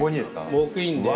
ウオークインで。